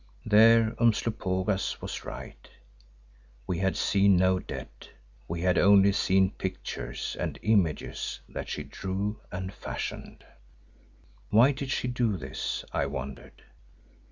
There Umslopogaas was right; we had seen no dead, we had only seen pictures and images that she drew and fashioned. Why did she do this, I wondered.